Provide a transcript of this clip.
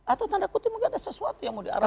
atau tanda kutip mungkin ada sesuatu yang mau diarahkan